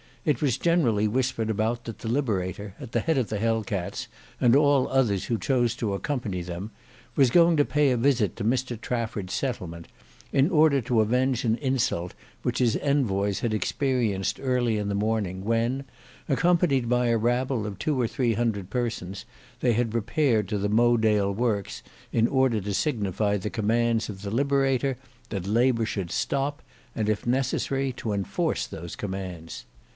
It was generally whispered about that the Liberator at the head of the Hell cats and all others who chose to accompany them was going to pay a visit to Mr Trafford's settlement, in order to avenge an insult which his envoys had experienced early in the morning when, accompanied by a rabble of two or three hundred persons, they had repaired to the Mowedale works in order to signify the commands of the Liberator that labour should stop, and if necessary to enforce those commands.